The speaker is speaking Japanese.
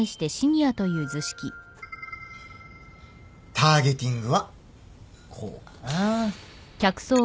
ターゲティングはこうかな。